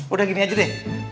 udah gini aja deh